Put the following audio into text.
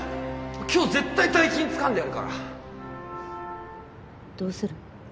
今日絶対大金つかんでやるからどうする？